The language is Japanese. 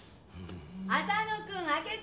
浅野君開けて！